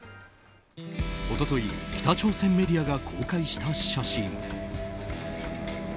一昨日、北朝鮮メディアが公開した写真。